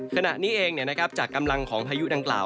ขณะนี้เองจากกำลังของพายุดังกล่าว